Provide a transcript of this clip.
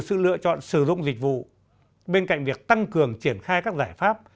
sự lựa chọn sử dụng dịch vụ bên cạnh việc tăng cường triển khai các giải pháp